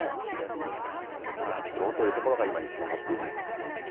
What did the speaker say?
そうした草の根の活動というのが今につながっているのかなと。